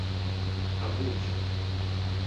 амурчик